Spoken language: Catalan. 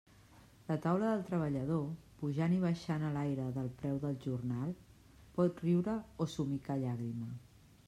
La taula del treballador, pujant i baixant a l'aire del preu del jornal, pot riure o somicar llàgrima.